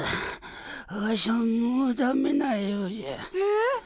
わしゃもうダメなようじゃ。えっ？